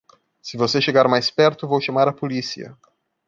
se você chegar mais perto vou chamar a policia